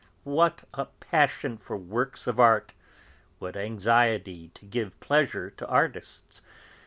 What a passion for works of art, what anxiety to give pleasure to artists!